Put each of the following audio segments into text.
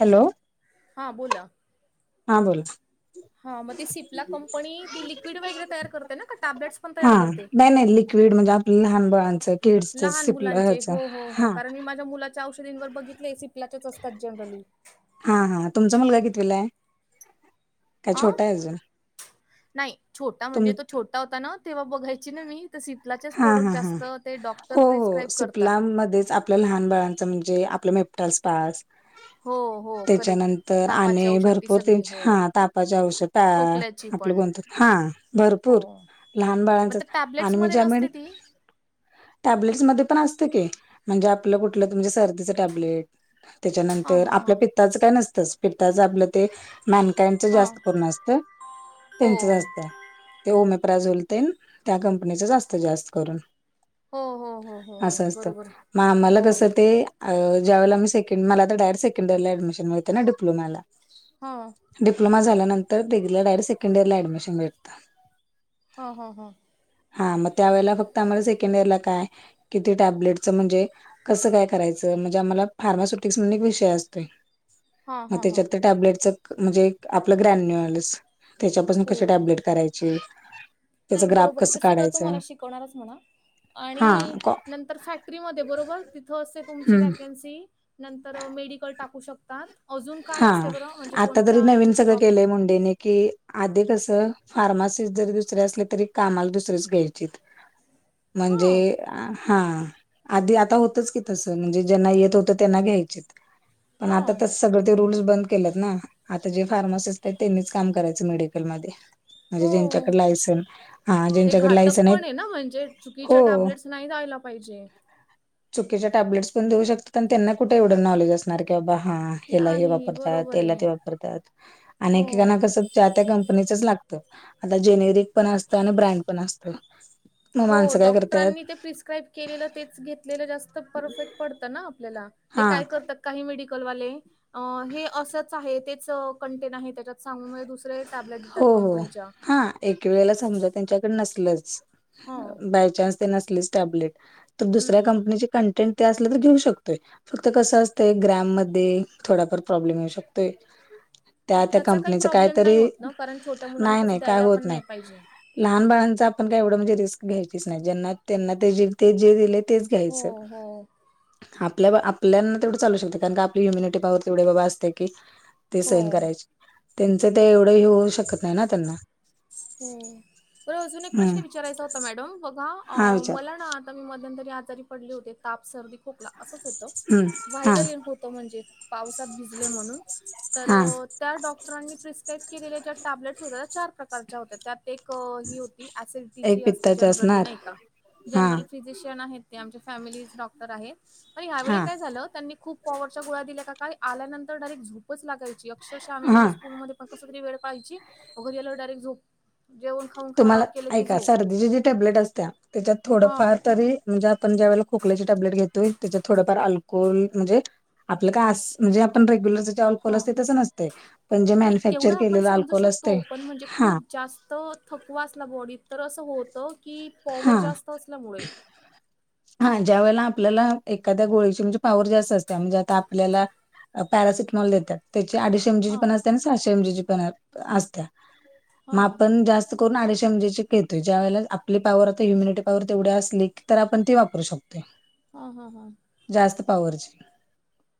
Hello? हां बोला. हां बोला. हां म ती सिप्ला कंपनी ती लिक्विड वगैरे तयार करते ना, का टॅबलेटस् पण तयार करते? नही लिक्विड, म्हणजे आ लहान मुलांचे ह्याच हो हो हो, हा कारण मी माझ्या मुला च्या औषधींवर बघितलय सिपलाचेच असतात, जनरली. हां हां तुमचा मुलगा कितवीला ये? आं? नाही छोटा, तुम म्हणजे तो छोटा होता ना, तेव्हा बघायची ना मी त सिप्लाचेच हा प्रोडक्ट हा जास्त, ते डॉक्टर प्रिस्क्राईब करतात. मधेच आप पल्या लहान बाळांचं, म्हणजे आपलं मेफ्तास पाज हो हो करेक्ट त्याच्यानंतर तापाची आणि औषध ती भरपूर सगळी तेंची हो. हा तापाचे औषध पा, खोकल्याची आपलं पण कोणत? हां हो भरपूर, लहान मग बाळांच त्या आणि मी टॅब्लेट्समध्ये ज्या मेडी नसते ती टॅबलेट्स मध्ये पण असत की, म्हणजे आपलं कुठलं तुमचं सर्दीचं टॅबलेट. हां त्याच्यानंतर हां हां आपल्या पित्ताचं काय नसतच, पित्ताचं आपलं ते मॅनकाइंडच हां जास्त करून असत, त्यांचंच हो. आसत. ते ओमेप्रा झोल तेन, त्या कंपनीच च जास्त करून. हो हो हो हो हो असं असत, बरोबर म आम्हाला हो कसं ते अं ज्यावेळेला मी सेकंड, मला तर डायरेक्ट सेकंड इअर ला अँडमिशन मिळतं ना, डिप्लोमाला. हा. डिप्लोमा झाल्यानंतर, डिग्री ला डायरेक्ट सेकंड इयर ला अँडमिशन भेटंत. हा हा हा. हां, म त्यावेेळेला फक्त आम्हाला सेकंड इयर ला काय? किती टॅबलेटच म्हणजे कसं काय करायचं? म्हणजे आम्हाला फार्मास्युटिक्स म्हणुन एक विषय असतोय. हा म हा हा त्याच्यात ते टॅबलेटच म्हणजे आपलं ग्रॅन्युअलस त्याच्यापासनं हो कशी टॅब्लेट करायची? नाही बरोबर आहे ते सगळं तुम्हाला शिकवणारच म्हणा हा आणि कॉ नंतर फॅक्टरीमध्ये बरोबर तिथं असते तुमची हम्म व्हॅकन्सी नंतर मेडिकल टाकू शकतात अजून काय हा असते बरं म्हणजे आता तरी कोणत्या नवीन याच्यात सगळं जॉब करत केलंय मुंडेने कि आधी कसं फार्मासिस्ट जरी दुसरे असले तरी कामाला दुसरेच घ्यायचीत हा म्हणजे आं हा आधी आता होतच की तसं म्हणजे ज्यांना येत होतं त्यांना घ्यायचेत पण हा आता तर सगळं रूल्स बंद केलेत ना आता जे फार्मासिस्ट आहेत त्यांनीच काम करायचं मेडिकलमध्ये हो म्हणजे ज्यांच्याकडे लायसन हा ते ज्यांच्याकडे घातक लायसन पण आहेत आहे ना म्हणजे हो चुकीच्या टॅबलेट्स नाही जायला पाहिजेत. चुकीच्या टॅब्लेट्स पण देऊ शकतात, आणि त्यांना कुठे एवढं नॉलेज असणार की बाबा हा हेला हे नाही वापरतात, बरोबर तेला आहे ते वापरतात, आणि एक- एक काना हो कसं चा त्या कंपनीच लागत, असं जेनेरिक पण असत, ब्रँड पण असत. हो डॉक्टरांनी ते प्रिस्क्राईब केलेलं तेच घेतलेलं जास्त परफेक्ट पडत ना आपल्याला, ते हा काय करतात काही मेडिकल वाले, अं हे असच आहे तेच कंटेंट आहे त्याच्यात सांग हो, हो हा एक वेळेला समजत त्यांच्याकडे नसलच, हो बाय चान्स ते नसलच टॅबलेट तर हम्म दुसर्या कंपनीचे कंटेंट तो असला तर घेऊ शकतोय फक्त कसं असतंय, ग्राम मध्ये थोडाफार प्रॉब्लेम येऊ शकतोय. त्या मग त्या त्याचा काय कंपनीच प्रॉब्लेम नाही काहीतरी होत ना, कारण छोट्या मुलांना नाही तसं नाही काय द्यायला होत पण नाही पाहिजे. लहान बाळांच आपण काय एवढं म्हणजे रिस्क घ्यायचीच नाही, ज्यांना -त्यांना ते जे ते जे दिले तेच हो द्यायचं. हो आपल्या, आपल्याना तेवढं चालू शकते कारण की आपली इम्युनिटी पाॅवर तेवढ बाबा असते की ते सहन हो. करायचे, त्यांच ते एवढं होऊ शकत नाही ना त्यांना. होय, बरं अजून एक प्रश्न हम्म विचारायचा होता मॅडम, बघा हा विचार मला ना मध्यंतरी आजारी पडले होते ताप, सर्दी, खोकला असच होत हम्म हा व्हायरल इन्स्पे ते म्हणजे पावसात भिजले म्हणून, तर हा त्या डॉक्टरांनी प्रिस्क्राईब केलेल्या ज्या टॅब्लेट्स होत्या त्या चार प्रकारच्या होत्या त्यात एक ही होती, एक ऍसिडिटीची असते पित्ताचे जनरली असणार नाही का? हा जनरल फिजिशियन आहेत ते आमच्या फॅमिली डॉक्टर आहेत, तर ह्यावेळी हा काय झालं त्यांनी खूप पॉवरच्या गोळा दिल्या का काय, आल्यांतर डायरेक्ट झोपच लागायची अक्षरशः आम्ही हा म्हणजे स्कूलमध्ये पण कस तरी वेळ पाहची, म घरी आल्यावर डायरेक्ट झोप जेवण खाऊन खा तुम्हाला, केलं की ऐका झोप सर्दीचीजी टॅबलेट असत्या त्याच्यात हा थोडफार तरी म्हणजे आपण ज्या वेळी खोकल्याचे टॅब्लेट घेतोय त्याच्यात थोडंफार अल्कोहोल म्हणजे आपलं काय असं, म्हणजे आपण रेग्युलरच अल्कोहोल हा असतय तसं नसतय, जे नाही मॅनुफॅक्चर तेवढं आपण केलेलं अल्कोहोल असतय. हा तो थकवा असला बॉडीत तर असं होतं, की पॉवर जास्त असल्यामुळे? हा ज्या वेळेला आपल्याला एखाद्या गोळीची म्हणजे पाॅवर जास्त असततीया, म्हणजे आता आपल्याला पॅरासिटमॉल देत्यात त्येच्या आधी एम, जी ची हा पण असत्या, आणि सहाशे एम, जी ची पण असत्या हा मग आपण जास्त करून आडीचशे एम, जी ची घेतोय ज्या वळेला आप आपली पावर आता इम्युनिटी पॉवर तेवढ्या असली तर आपण ती वापरू शकतोय. हा हा हा. जास्त पावरची.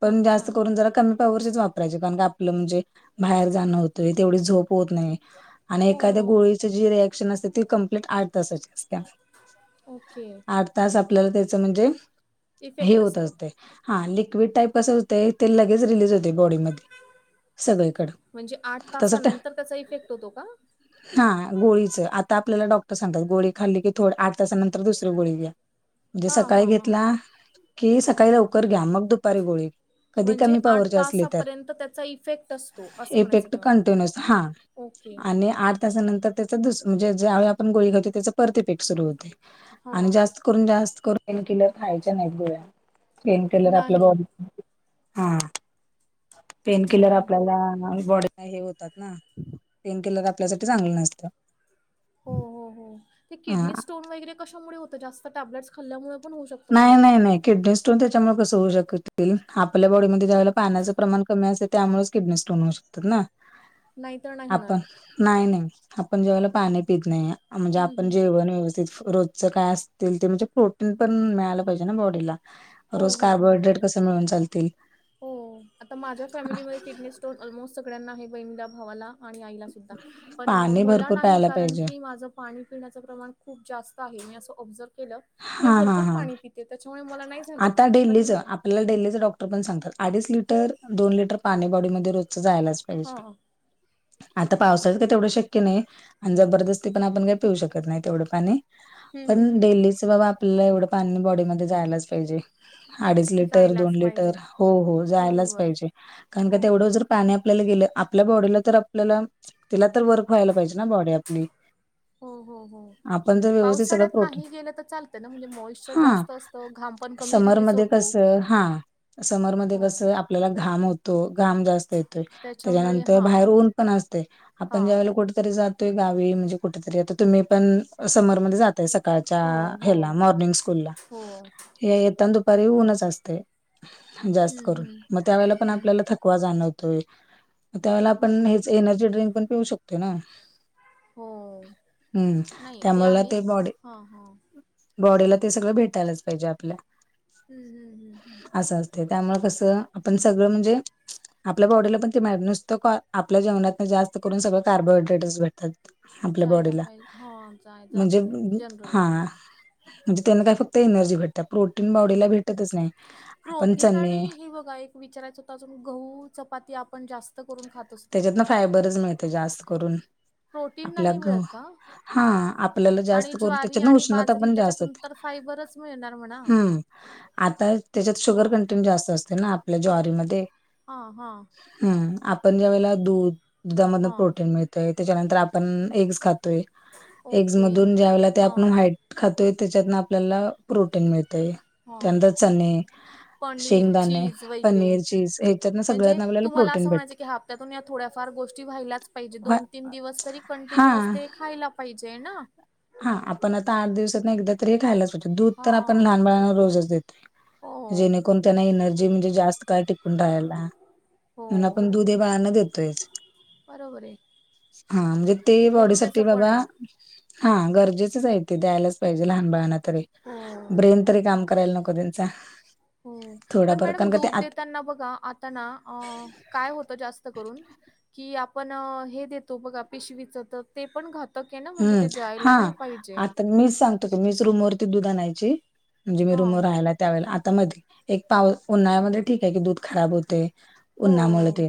पण अच्छा जास्त करून जरा कमी पावरची वाप रायची. कारण की आपलं म्हणजे बाहेर जाणं होतंय. तेवढी झोप होत नाही. आणि हो एखाद्या गोळीच जी रिएक्शन असते. ती कंप्लीट आठ तासाची असते. ओके. तास आपल्याला त्याच म्हणजे, हे इफेक्ट होत असतो असतेय. हा लिक्विड टाईप अस तेय. ते लगेच रिलीज होते बॉडीमध्ये. सगळीकड. म्हणजे आठ तासानंतर त्याचा इफेक्ट होतो का? हा गोळीचं. आता आपल्याला डॉक्टर सांगतात गोळी खाल्ली की, थो आठ तासा नंतर दुसरी गोळी घ्या. म्हणजे हा सकाळी हा हा घेतला की, सकाळी लवकर घ्या. मग दुपारी गोळी. कधी म्हणजे कमी आठ पवरचे असले तर. तासापर्यंत त्याचा इफेक्ट असतो असं म्हणायचं इफेक्ट तुम्हाला कंटिन्युअस. हा. ओके आणि आठ त्याच्यानंतर त्याचा दुस म्हणजे, ज्यावेळी आपण गोळी खातो त्याच परत इफेक्ट सुरु होतेय. आणि हां जास्त करून जास्त करु पेन किलर खायच्या नाहीत. गोळ्या पेन किलर आपल्या नाही बॉडी हा, पेनकिलर हम्म आपल्याला बॉडी हे होतात ना. पेन किलर आपल्यासाठी चांगलं नसतं. हो हो हो. ते हा किडनी स्टोन वगैरे कशामुळे होतं? जास्त टॅब्लेट्स खाल्ल्यामुळे पण होऊ शकत? नाय नाय नाय. किडनी स्टोन त्याच्यामुळे कसं होऊ शकतील. आपल्या बॉडीमध्ये ज्यावेळे पाण्याचं प्रमाण कमी असेल त्यामुळेच किडनी स्टोन होऊ शकतात ना. नाहीतर नाही होणार. आपण, नाही नाही आपण ज्या वेळेला पाणी पित नाही. म्हणजे हं, आपण हं. जेवण व्यवस्थित. रोजचं काय असतील ते. म्हणजे प्रोटीन पण मिळाला पाहिजे ना बॉडीला. हो, रोज हो, हो. कार्बोहायड्रेट कस मिळून चालतील. हो. आता माझ्या फॅमिलीमध्ये किडनी स्टोन ऑलमोस्ट सगळ्यांना आहे. बहिल्या, भावाला. आणि आईला सुद्धा. पण पाणी मला भरपूर नाही प्यायला कारण पाहिजे की माझं पाणी पिण्याचं प्रमाण खूप जास्त आहे. मी असं ऑब्झर्व केलं. मी हा हा भरपूर हा पाणी पिते त्याच्यामुळे मला नाही झालं. पण मला डेलीचे डॉक्टर पण सांगतात. अडीच लिटर, दोन लिटर पाणी बॉडीमध्ये रोजच जायलाच पाहिजे. हां आता पावसाळ काय तेवढं शक्य नाही. आणि जबरदस्ती पण आपण काही पिऊ शकत नाही तेवढं पाणी. हं, हं, पण हं. डेलीच बाबा आपल्याला एवढं पाणी बॉडीमध्ये जायलाच पाहिजे. अडीच लिटर, दोन जायलाच लिटर पाहिजे. हो हो जायलाच बरोबर. पाहिजे. कारण का हो. तेवढं जर पाणी आपल्याला गेलं. आपल्या बॉडीला तर आपल्याला तिला तर वर्क व्हायला पाहिजे ना. बॉडी आपली. हो हो हो. आपण जर व्यवस्थित सगळं पावसाळ्यात प्रोटीन नाही गेलं त चाल त ना. म्हणजे मॉइशचर हां. जास्त असत. घाम पण कमी रिलीज समरमध्ये होतो. कसं हां. समरमध्ये कसं आपल्याला घाम होतो. घाम जास्त येत य. त्याच्यामुळे त्याच्यानंतर हा बाहेर ऊन पण असतय. हा आपण ज्या वळेला कुठ री जातोय गावी. म्हणजे कुठेतरी आता तुम्ही पण समरमध्ये जातय. सकाळच्या हो हो हेला मॉर्निंग स्कूल ला. हो येताना दुपारी ऊनच असतय. जास्त हम्म करून. हम्म मग त्यावेळेला पण हम्म आपल्याला थकवा जाणवतोय. त्यावेळेला आपण बरोबर हेच एनर्जी ड्रिंक पण पिऊ शकतोय ना. हो हम्म, त्यामुला ते बॉडी हां, हां बॉडीला ते सगळं भेटायलाच पाहिजे आपल्या ह, ह, ह, ह असं असते त्यामुळे कसं आपण सगळं म्हणजे आपल्या बॉडीला पण ते नुसतं आपल्या जेवणातून जास्त करून सगळं कार्बोहायड्रेटस भेटतात आपल्या जायला बॉडीला पाहिजे हा जाय म्हणजे जातात जनरली हा म्हणजे त्यांना काय फक्त एनर्जी भेटत प्रोटीन बॉडीला हम्म भेटतच नाही आपण प्रोटीन आणि चणे हे बघा एक विचारायचं होत अजून गहू चपाती आपण जास्त करून खातो त्याच्यात ना फायबरच मिळतय जास्त करून प्रोटीन आपल्या नाही मिळत का हा आपल्याला आणि जास्त करून ज्वारी त्याच्यान आणि उष्णता बाजरी पण जास्त त्याच्यातून होते तर फायबरच मिळणार म्हणा. हम्म आता त्याच्यात शुगर हा कंटेंट जास्त असते ना आपल्या ज्वारीमध्ये हा, हा हम्म आपण ज्या वेळेला दूध दुधा मधन हा प्रोटीन मिळत त्याच्यानंतर आपण एग्स खातोय एग्स ओके मधून ज्या वेळेला ते हा आपण व्हाईट खातोय त्याच्यातन आपल्याला प्रोटीन मिळतय हा त्यानंतर चणे पनीर शेंगदाणे, चीज वगैरे पनीर, चीज ह्याच्यात न म्हणजे सगळ्यात आपल्याला तुम्हाला प्रोटीन असं भेट म्हणायचं हप्त्यातून या थोड्या फार गोष्टी व्हायलाच पाहिजे व्हा दोन, तीन दिवस तरी हा. कंटिन्युअस ते खायला पाहिजे ना हा आपण आता आठ दिवसात ना एकदा तरी खायलाच वाटत दूध हा तर आपण लहान बाळांना रोजच देतो हो जेणेकरून त्यांना एनर्जी म्हणजे जास्त काय टिकून राहायला हो अन आपण दूध हे बाळांना देतोयच बरोबर आहे हा म्हणजे ते बॉडी गरजेचं साठी पण बाबा आहे हा गरजेचच आहे ते द्यायलाच पाहिजे लहान बाळांना तरी हो ब्रेन तरी काम करायला नको त्यांचा हो पण थोडाफार मॅडम कारण का ते दूध देताना बघा आता ना काय होतं जास्त करून कि आपण हे देतो बघा पिशवीच तर ते पण घात त क ना म्हणजे ते द्यायला नाही पाहिजे तर मीच सांगतो क मीच रूम वरती दूध आणायची म्हणजे मी हां. रूमवरर राहायला त्यावेळेला आता मध्ये एक पाव उन्हाळ्यामध्ये ठीक आहे की दूध खराब होतय हो. उन्हामुळे ते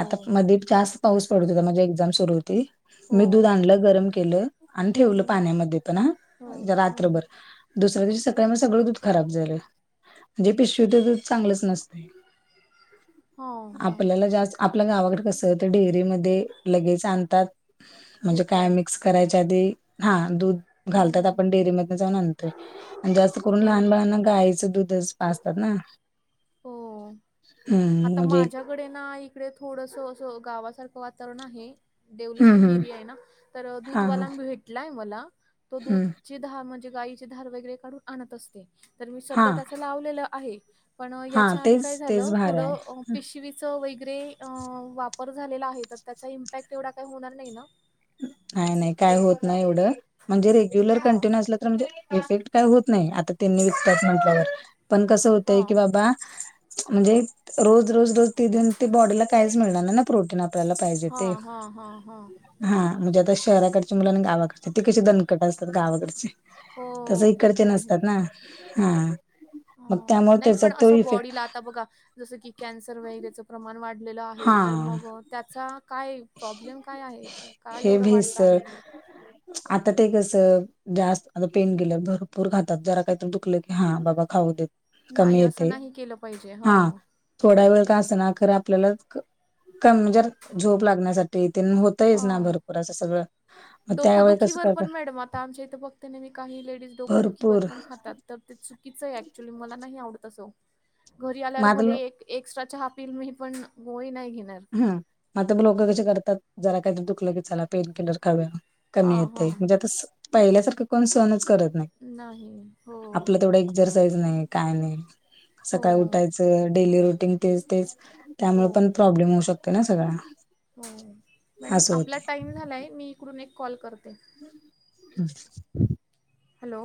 आता मध्ये जास्त पाऊस पडत होता माझी एक्झाम सुरू होती हो. मी दूध आणलं गरम केलं आणि ठेवलं हो. पाण्यामध्ये पण हो. हा हो. रात्रभर दुसऱ्या दिवशी सकाळी म सगळं दूध खराब झालं म्हणजे पिशवी ते दूध चांगलंच नसतं हो, हां. आपल्याला जास्त आपल्या गावाकडे कस ते डेअरीमध्ये लगेच आणतात म्हणजे काय देतात. आम्ही मिक्स करायच्या आधी हा दूध घालतात हं. आपण डेअरी मधन जाऊन आणाय देतोय अन जास्त करून लहान बरोबर. मुलांना गायचं दुध पाजतात ना हो हम्म आता म्हणजे माझ्या कडे ना इकडे थोडस अस गावासारखं वातावरण आहे हम्म डेव्हलपिंग हम्म एरिया आहे ना तर हा दूधवाला भेटलाय मला तो दूध हम्म ची धार म्हणजे गायीची धार वगैरे काढून आणत असते तर मी हा सध्या त्याच लावलेलं आहे अ हा याच्या आधी काय तेच तेच झालं भारी थोड आहे. पिश शिवीच वगैरे वापर झालेला आहे तर त्याचा इम्पॅक्ट एवढा काही होणार नाही ना नाही, नाही काय होत नाही एवढं म्हणजे रेग्युलर हा कंटिन्यू अस म्हणजे इफेक्ट काही होत नाही आता त्यांनी विकतात म्हटल्यावर पण कस हा होतय की बाबा म्हणजे रोज-रोज दुध ते देऊन ते बॉडीला काहीच मिळणार नाही ना प्रोटीन आपल्याला पाहिजे. हा ते हा हा हा हा म्हणजे आता शहराकडचे मुल गावाकडचे ते कसे दनकट असतात गावाकडचे. हो तस ते इकडचे तर आहे. नसतात ना हा. मग हो. त्यामुळ नाही त्याचा पण तो असं इफेक्ट [unintelligible] बघा जस की कॅन्सर वगैरेच प्रमाण वाढलेलं आहे तर हा मग त्याचा काय प्रॉब्लेम काय आहे तो? काय हे एवढ वाढत भेसळ आहे? आता ते कसं जास्त आता पेन किलर भरपूर खातात जरा काहीतरी दुखल की हां बाबा खाऊ देत. नाही कमी अस येते नाही केल पाहिजे हा. थोडा वेळ का असना खर आपल्याला कमजर झोप लागण्यासाठी दुखतयच ना हां. भरपूर अस सगळ मग त्यावेळी कसं का कर त्या नेहमी काही लेडीज डोकोदुखीवर पण खातात. तर ते चुकीचं आहे ऍक्च्युली मला नाही आवडत अस घरी आल्यावर मग भले आता एक एक्स्ट्रा चहा पीइल मी पण गोळी नाही घेणार. हम्म म आता मग लोकं कशी करतात जरा काहीतरी दुखलं की चला पेन किलर खाऊया. कमी हां, येत हां. आहे म्हणजे आता पहिल्यासारखं कोण सहणच करत नाही नाही. हो. आपलं तेवढं एक. एक्झरसाईज नाही काय नाही हो. सकाळी उठायचं डेली रुटीन तेच तेच. त्यामुळे पण हो. प्रॉब्लेम होऊ शकतो ना सगळा. हो मॅडम असं होत आपला टाइम झालाय मी इकडून एक कॉल करते. [unintelligible] हॅलो